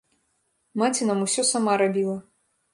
Маці нам усё сама рабіла.